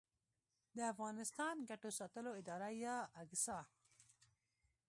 د افغانستان ګټو ساتلو اداره یا اګسا